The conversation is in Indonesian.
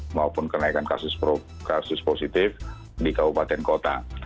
maupun kenaikan kasus positif di kabupaten kota